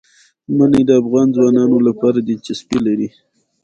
منی د افغان ځوانانو لپاره دلچسپي لري.